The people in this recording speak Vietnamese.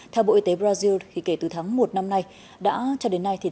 theo bộ y tế brazil kể từ tháng một năm nay đã cho đến nay